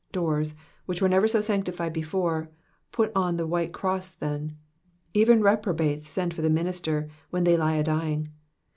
Doors, which were never so sanctified before, put on the white cross then. Even reprobates send for the minister when they lie a dying.